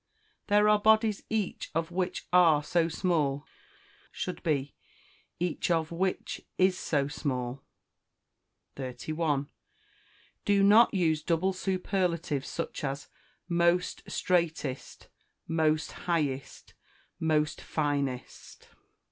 "There are bodies each of which are so small," should be, "each of which is so small." 31. Do not use double superlatives, such as most straightest, most highest, most finest.